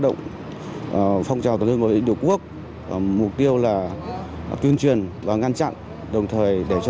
động phong trào tổ chức đối với ấn độ quốc mục tiêu là tuyên truyền và ngăn chặn đồng thời để cho